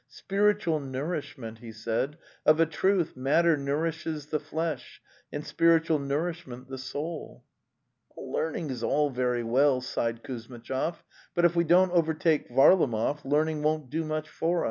'' Spiritual nourishment!" he said. '' Of a truth matter nourishes the flesh and spiritual nourishment the soul!" 'Learning is all very well," sighed Kuzmitchov, 'but if we don't overtake Varlamov, learning won't do much for us."